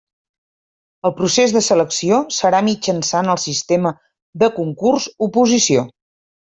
El procés de selecció serà mitjançant el sistema de concurs-oposició.